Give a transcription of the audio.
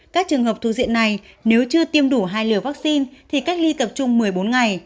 các trường hợp thu diện này nếu chưa tiêm đủ hai liều vaccine thì cách ly tập trung một mươi bốn ngày